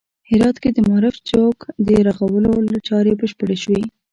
هرات کې د معارف چوک د رغولو چارې بشپړې شوې